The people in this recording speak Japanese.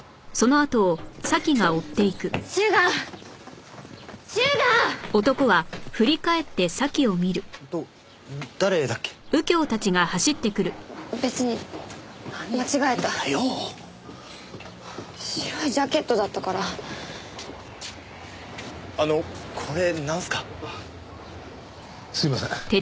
あっすいません。